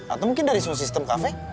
atau mungkin dari sistem kafe